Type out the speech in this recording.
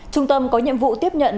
trung tâm có nhiệm vụ tiếp nhận